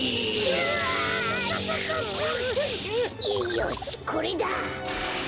よしこれだ！